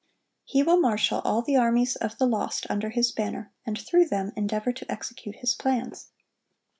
He will marshal all the armies of the lost under his banner, and through them endeavor to execute his plans.